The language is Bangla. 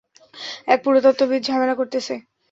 এক পুরাতত্ত্ববিদ, ঝামেলা করতেছে।